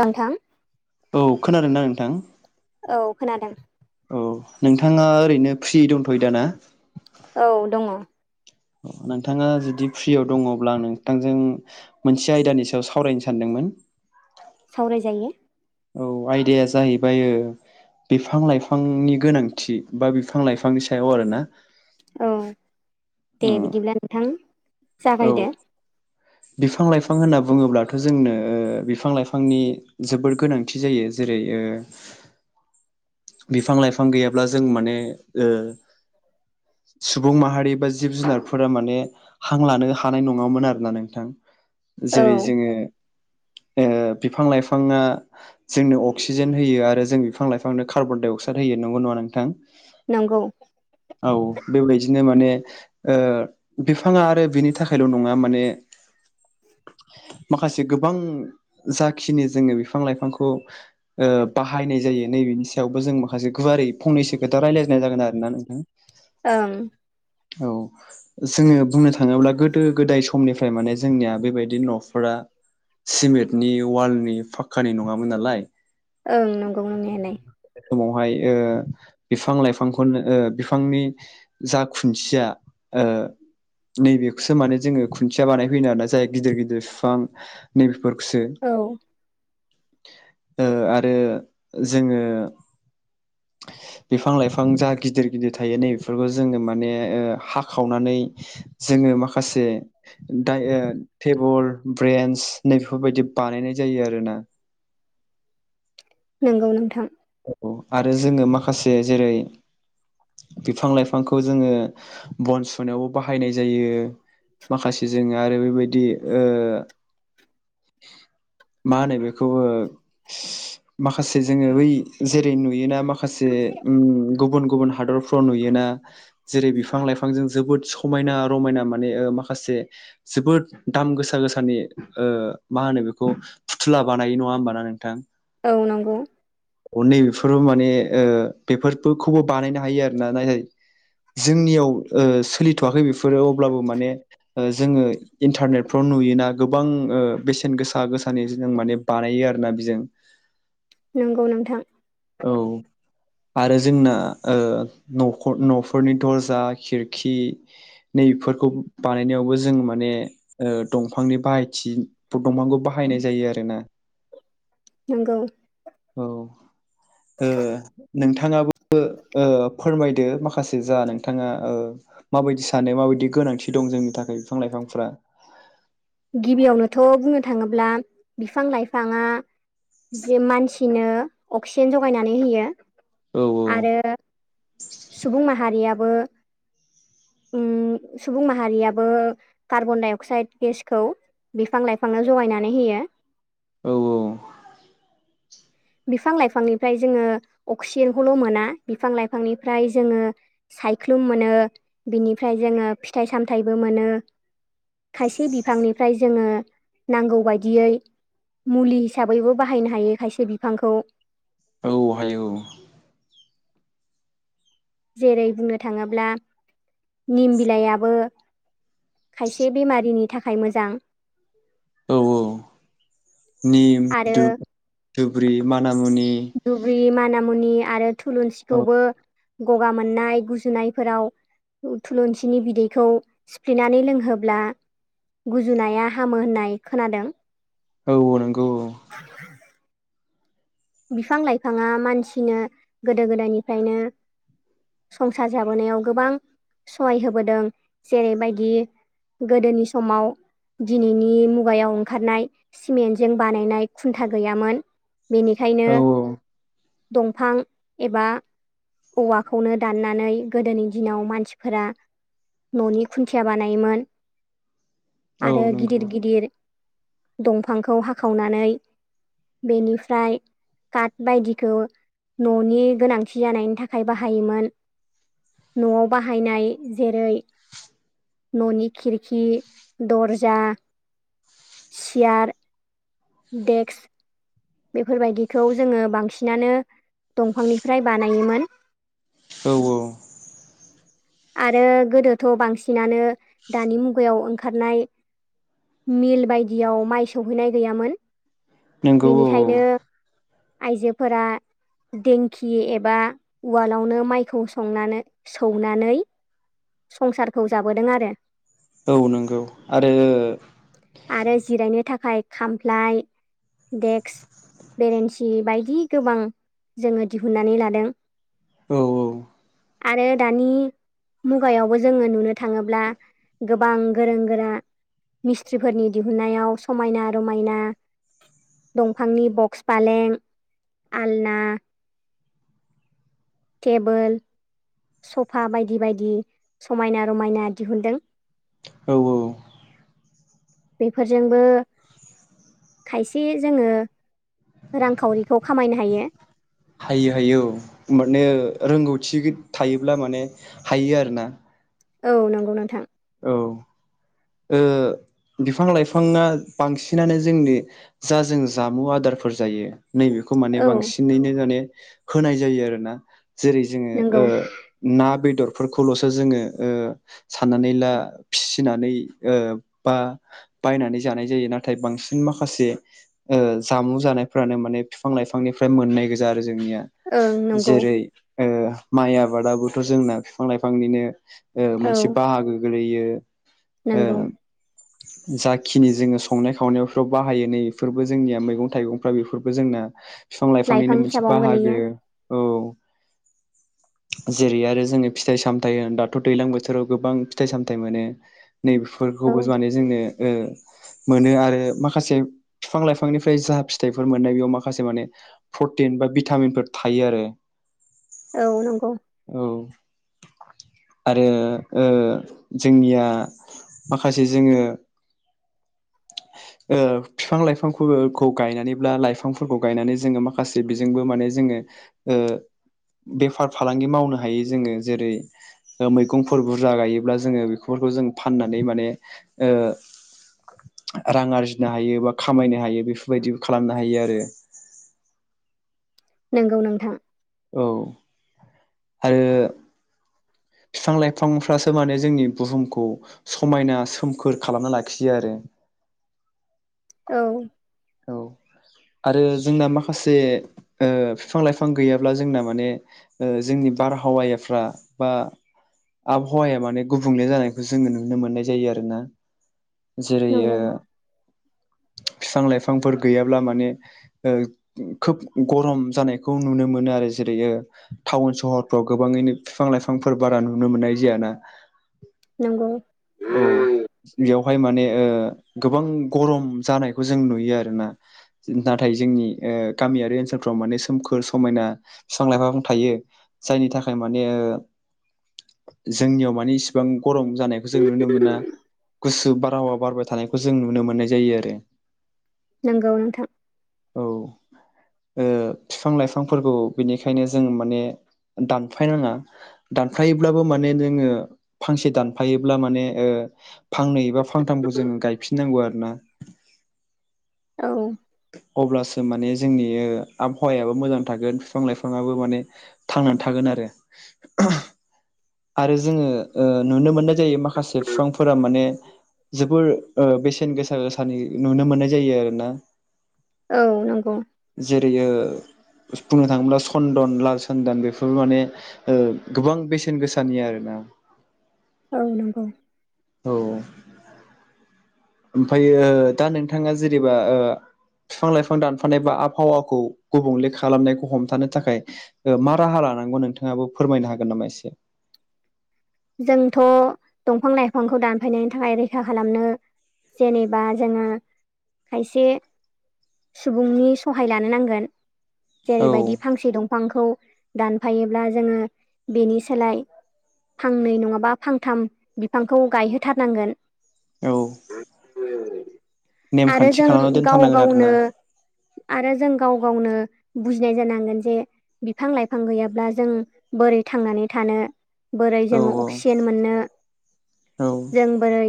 नोंथां खोनादों ना नोंथां? औ खोनादों। औ नोंथाङा ओरैनो फ्रि दंथ'यो दा ना? औ दङ। औ। नोंथाङा जुदि फ्रियाव दङब्ला नोंथांजों मोनसे आयदानि सायाव सावरायनो सानदोंमोन। [unintelligible] सावराय जायो। औ आयदाया जाहैबाय ओ बिफां लाइफांनि गोनांथि बा बिफां लाइफांनि सायाव आरोना। औ दे उम बिदिब्ला नोंथां औ जागायदो। बिफां लाइफां होनना बुङोब्लाथ' जोंनो बिफां लाइफांनि जोबोद गोनांथि जायो। जेरै रै ओ बिफां लाइफां गैयाब्ला जों माने ओ सुबुं माहारि बा जिब जुनारफोरा माने हां लानो हानाय नङामोन आरोना नों थां औ जेरै जोङो ओ बिफां लाइफाङा जोंनो अक्सिजेन होयो आरो जों बिफां लाइफांनो कार्बन डाइ अकसार होयो नंगौ नङा नोंथां? नंगौ। औ बेबायदिनो माने ओ बिफाङा आरो बिनि थाखायल' नङा माने [inaudible] माखासे गोबां जाखिनि जोङो बिफां लाइफांखौ ओ बाहायनाय जायो नैबेनि सायावबो जों माखासे गुवारै फंनैसो खोथा रायज्लायजनाय जागोन आर ना नोंथां। ओं औ जोङो बुंनो थाङोब्ला गोदो गोदाय समनिफ्राय समनिफ्राय माने जोंनिया बेबायदि न'फोरा सिमेथ नि वालनि फाक्कानि नङामोन नालाय ओं नंगौ नंनायालाय। समावहाय ओ बिफां लाइफांखौनो ओ बिफांनि जा खुन्थिया ओ नैबेखौसो माने जोङो खुन्थिया बानायफैनो आरोना जाय गिदिर गिदिर बिफां नैबेफोरखौसो औ ओ आरो जोङो बिफां लाइफां जा गिदिर गिदिर थायो नै बेफोरखौ जोङो माने ओ हाखावनानै जों नो माखासे दाय ओ टेबोल ब्रेन्स नै बेफोरबायदि बानायनाय जायो आरोना। नंगौ नोंथां। औ आरो जोङो माखासे जेरै बिफां लाइफांखौ जोङो बन सुनायावबो बाहायनाय जायो। माखासे जोङो आरो बेबायदि ओ मा होनो बेखौबो माखासे जोङो बै जेरै नुयोना माखासे गुबुन गुबुन हादरफ्राव नुयोना जेरै बिफां लाइफां। बिफांजों जोबोद समायना रमायना माने ओ माखासे जोबोद दाम गोसा गोसानि। ओ मा होनो बेखौ फुथुला बानायो नङा होमबाना नोंथां औ नंगौ। नै बेफोर माने ओ बेफोरखौबो बानायनो हायो आरोना नाथाय जोंनियाव ओ सोलिथ'वाखै बेफोरो अब्लाबो माने जोङो इन्टारनेटफ्राव नुयोना गोबां ओ बेसेन गोसा गोसा जि माबा बानायो आरोना बेजों। नंगौ नोंथां। औ। आरो जोंना ओ न'खर न'फोरनि दर्जा खिरखि बैफोरखौ बानायनायावबो जों माने दंफांनि बाहायथि दंफांखौ बाहायनाय जायो आरोना। नंगौ। औ ओ नोंथां नोंथाङाबो ओ फोरमायदो माखासे जा नोंथाङा ओ माबायदि सानो माबायदि गोनांथि दं जोंनि थाखाय बिफां लाइफांफ्रा। गिबियावनोथ' बुंनो थाङोब्ला बिफां लाइफाङा जे मानसिनो अक्सिजेन जगायनानै होयो औ आरो [inaudible] ओं सुबुं माहारियाबो कार्बन डाइ अक्साइद गेसखौ। बिफां लाइफांनो जगायनानै होयो। औ औ। बिफां लाइफांनिफ्राय जोङो अक्सिजेनखौल' मोना बिफां लाइफांनिफ्राय जोङो सायख्लुम मोनो बिनिफ्राय जोंङो फिथाइ सामथाइबो मोनो। खायसे बिफांनिफ्राय जोङो नांगौ बायदियै। मुलि हिसाबैबो बाहायनो हायो खायसे बिफांखौ। औ हायो औ। जेरै बुंनो थाङोब्ला निम बिलायाबो। खायसे बेमारिनि थाखाय मोजां। औ औ। निम आरो दुब दुब्रि मानामुनि दुब्रि माना मुनि। आरो औ थुलुंसिखौबो गगा मोननाय गुजुनायफोराव थुलुंसिनि बिदैखौ सिफ्लेनानै लोंहोब्ला गुजुनाया हामो होननाय खोनादों। औ नंगौ। [inaudible] बिफां लाइफाङा मानसिनो गोदो गोदायनिफ्रायनो संसार जाबोनायाव गोबां सहाय होबोदों जेरैबायदि गोदोनि समाव दिनैनि मुगायाव ओंखारनाय सिमेन्टजों बानायनाय खुन्था गैयामोन बेनि खायनो औ दंफां एबा औवाखौनो दाननानै गोदोनि दिनाव मानसिफोरा न'नि खुन्थिया बानायोमोन औ आरो नंगौ गिदिर गिदिर दंफांखौ हाखावनानै बेनिफ्राय काट बायदिखौ न'नि गोनांथि जानायनि थाखाय बाहायोमोन। न'आव बाहायनाय जेरै न'नि खिरखि दरजा सियार। देक्स बेफोरबायदिखौ जोंङो बांसिनानो दंफांनिफ्राय बानायोमोन। औ औ आरो गोदोथ' बांसिनानो दानि मुगायाव ओंखारनाय मिल बायदियाव माइ सौहैनाय गैयामोन। नंगौ औ औ आयजोफोरा दिंखि एबा उवालावनो माइखौ संनानै सौनानै संसारखौ जाबोदों आरो। औ औ नंगौ आरो आरो जिरायनो थाखाय खामफ्लाय देक्स बेरेन्सि बायदि गोबां जोङो दिहुननानै लादों। औ आरो दानि मुगायावबो जोङो नुनो थाङोब्ला गोबां गोरों गोरा मिस्थ्रिफोरनि दिहुननायाव समायना रमायना दंफांनि बक्स फालें आलना टेबोल सफा बायदि बायदि समायना रमायना दिहुनदों। औ औ बेफोरजोंबो खायसे जोङो रांखावरिखौ खामायनो हायो। हायो हायो औ माने रोंगौथि थायोब्ला माने हायो आरोना। औ नंगौ नोंथां। औ ओ बिफां लाइफाङा बांसिनानो जोंनि जा जों जामु आदारफोर जायो नैबेखौ माने औ बांसिनैनो माने होनाय जायो आरोना जेरै जोङो नंगौ ओ ना बेदरफोरखौल'सो जोङो ओ साननानै ला फिनानै ओ बा बायनानै जानाय जायो नाथाय बांसिन माखासे ओ जामुं जानाय फ्रानो माने बिफां लाइफांनिफ्राय मोननाय गोजा आरो जोंनिया ओं नंगौ जेरै ओ माइ आबादाबोथ' जोंना फिफां लाइफांनिनो औ मोनसे बाहागो गोलैयो। ओ नंगौ जाखिनि जोङो संनाय खावनायफ्राव बाहायो नै बेफोरबो जोंनिया मैगं थाइगंफ्रा बेफोरबो जोंना बिफां लाइफांनिनो लाइफां मोनसे हिसाबावनो बाहागो गोलैयो औ। जेरै आरो जोङो फिथाइ सामथाइ होन दाथ' दैज्लां बोथोराव गोबां फिथाइ सामथाइ मोनो। नै बेफोरखौबो औ माने जोंङो ओ मोनो आरो माखासे फिफां लाइफांनिफ्राय जा फिथाइफोर मोननाय बेयाव माखासे माने प्रटिन बा भिटामिनफोर थायो आरो। [inaudible] औ नंगौ। औ आरो ओ जोंनिया माखासे जोङो [inaudible] ओ फिफां लाइफांफोरखौ गायनानैब्ला लाइफांफोरखौ गायनानै जोङो माखासे बेजोंबो माने जोङो ओ बेफार फालांगि मावनो हायो जोङो जेरै मैगंफोर बुरजा गायोब्ला जोङो बेफोरखौ जों फाननानै माने ओ [inaudible] रां आरजिनो हायो बा खामायनो हायो बेफोरबायदिबो खालामनो हायो आरो नंगौ नोंथां औ आरो बिफां लाइफांफ्रासो माने जोंनि बुहुमखौ समायना सोमखोर खालामना लाखियो आरो [inaudible] औ औ आरो जोंना माखासे ओ बिफां लाइफां गैयाब्ला जोंना माने जोंनि बारहावायाफ्रा बा आबहावाया माने गुबुंले जानायखौ जोङो नुनो मोननाय जायो आरो ना। जेरै ओ नंगौ बिफां लाइ बिफांफोर गैयाब्ला ओ माने खोब गरम जानायखौ नुनो मोनो आरो जेरै ओ टाउन सहरफ्राव गोबाङैनो बिफां लाइफांफोर बारा नुनो मोननाय जायाना? नंगौ। औ बेयाव। बेहाय माने ओ गोबां गरम जानायखौ जों नुयो आरोना। नाथाय जोंनि ओ गामियारि ओनसोलफ्राव माने सोमखोर समायना बिफां लाइफां थायो। जायनि थाखाय माने जोंनियाव माने इसिबां गरम जाया। जों नुनो मोना गुसु बारहावा बारबाय थानायखौ जों नुनो मोननाय जायो आरो। नंगौ नोंथां। औ ओ बिफां लाइफांफोरखौ बिनिखायनो जों माने दानफाय नाङा। दानफायोब्लाबो माने जोङो फांसे दानफायोब्ला माने ओ फांनै एबा फांथामखौ जोंङो गायफिननांगौ आरोना। औ। अब्लासो माने जोंनि आबहावायाबो मोजां थागोन। बिफां लाइफाङाबो माने थांनानै थागोन। आरो [unintelligible] आरो जोङो ओ नुनो मोननाय जायो माखासे बिफांफोरा माने जोबोर ओ बेसेन गोसा गोसानि नुनो मोननाय जायो आरो ना। औ नंगौ। जेरैयो बुंनो थाङोब्ला सन्दन, लाल सन्दन बेफोर माने ओ गोबां बेसेन गोसानि आरो ना। औ नंगौ। औ ओमफायो दा नोंथाङा जेनेबा ओ बिफां लाइफां दानफानाय बा आबहावाखौ गुबुंले खालामनायखौ हमथानो थाखाय मा राहा ला नांगौ नोंथांङाबो फोरमायनो हागोन नामा एसे जोंथ' दंफां लाइफांखौ दानफायनायनि थाखाय रैखा खालामनो जेनेबा जोङो खायसे सुबुंनि सहाय लानो नांगोन। औ जेरैबायदि फांसे दंफांखौ दानफायोब्ला जोङो बेनि सोलाय फांनै नङाबा फांथाम बिफांखौ गायहोथारनांगोन। औ। आरो जों गाव दोनथारनांगोन गावनो आरोना आरो जों गाव गावनो बुजिनाय जानांगोन जे बिफां लाइफां गैयाब्ला जों बोरै थांनानै थानो। बोरै औ जोङो अक्सिजेन मोननो औ जों बोरै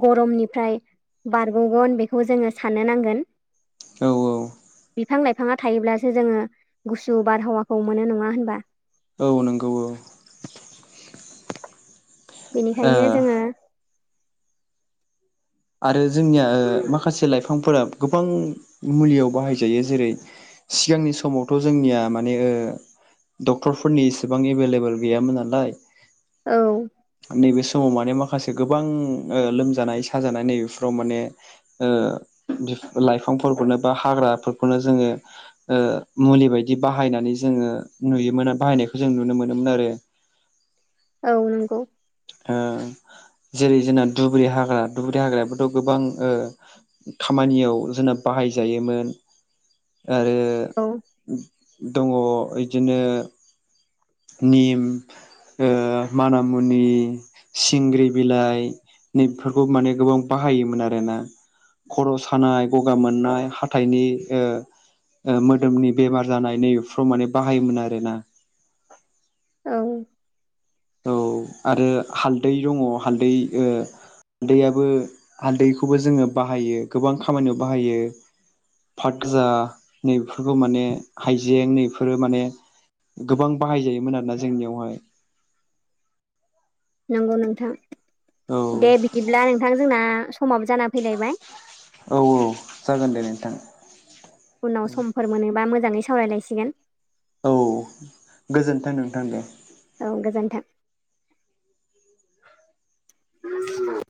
गरमनिफ्राय- बारग'गोन बेखौ जोङो साननो नांगोन। औ बिफां लाइफाङा थायोब्लासो जोङो गुसु बारहावाखौ मोनो नङा होनबा। औ नंगौ औ। बेनिखायनो ओ जोङो आरो जोंनिया ओ माखासे लाइफांफोरा गोबां मुलियाव बाहायजायो जेरै सिगांनि समावथ' जोंनिया माने ओ डक्टरफोरनि इसेबां एभेलेबेल गैयामोन नालाय। औ। नैबे समाव माने माखासे गोबां ओ लोमजानाय साजानाय नैबेफोराव माने ओ लाइफांफोरखौनो बा हाग्राफोरखौनो जोङो ओ मुलि बायदि बाहायनानै जोङो नुयोमोन आरो बाहायनायखौ जों नुनो मोनोमोन आरो [inaudible] औ नंगौ औ जेरै जोंना धुब्रि हाग्रा धुब्रि हाग्रायाबोथ' गोबां खामानियाव जोंना बाहायजायोमोन आरो औ दङ बिदिनो निम मानामु नि सिंग्रि बिलाइ नैबेफोरखौ माने गोबां बाहायोमोन आरोना खर' सानाय गगा मोननाय हाथाइनि ओ मोदोमनि बेमार जानाय नैफ्राव माने बाहायोमोन आरोना दा औ आरो हालदै दङ हालदैओ हालदैयाबो हालदैखौबो जोङो बाहायो गोबां खामानियाव बाहायो पाद गाजा नैफोरखौ माने हाइजें नैफोरो माने गोबां बाहायजायोमोन आरोना जोंनियावहाय नंगौ नोंथां औ दे बिदिब्ला नोंथां जोंना समाबो जाना फैलायबाय औ औ जागोन दे नोंथां उनाव समफोर मोनोबा मोजाङै सावरायलायसिगोन औ गोजोन्थों नोंथां दे औ गोजोन्थों [inaudible]